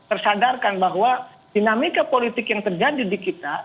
tersadarkan bahwa dinamika politik yang terjadi di kita